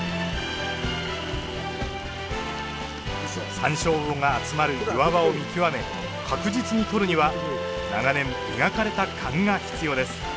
サンショウウオが集まる岩場を見極め確実にとるには長年磨かれた勘が必要です。